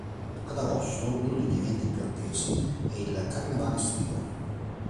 Ad agosto, uno degli eventi più attesi è il "carnevale estivo".